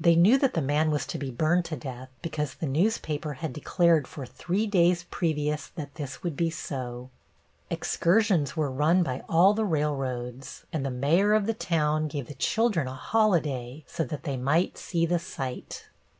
They knew that the man was to be burned to death because the newspaper had declared for three days previous that this would be so. Excursions were run by all the railroads, and the mayor of the town gave the children a holiday so that they might see the sight.